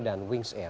dan wings air